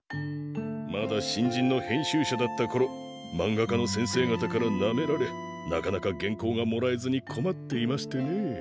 まだ新人の編集者だったころまんがかの先生方からなめられなかなかげんこうがもらえずに困っていましてね